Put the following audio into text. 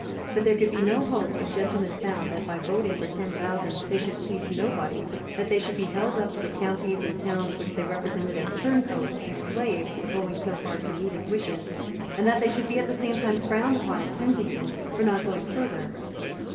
But there could be no hope if gentlemen found that by voting for ten thousand they should please nobody, that they should be held up to the counties and towns which they represented as turncoats and slaves for going so far to meet his wishes, and that they should be at the same time frowned upon at Kensington for not going farther.